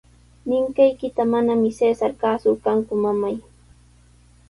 Ninqaykita manami Cesar kaasurqanku, mamay.